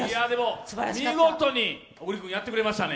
見事に小栗君、やってくれましたね。